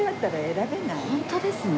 選べないよ！